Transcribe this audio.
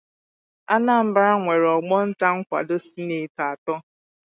Anambra nwere ọgbọ nta nkwado Sineetị atọ